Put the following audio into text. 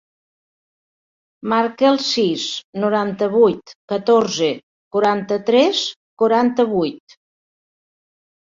Marca el sis, noranta-vuit, catorze, quaranta-tres, quaranta-vuit.